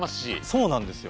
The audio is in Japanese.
そうなんですよ。